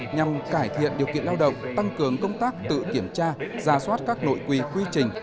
nhằm cải thiện điều kiện lao động tăng cường công tác tự kiểm tra ra soát các nội quy quy trình